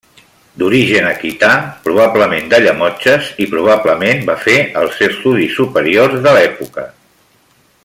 D'origen aquità, probablement de Llemotges, i probablement va fer els estudis superiors de l'època.